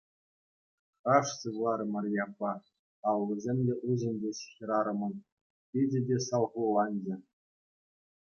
Хаш сывларӗ Марье аппа, аллисем те усӑнчӗҫ хӗрарӑмӑн, пичӗ те салхуланчӗ.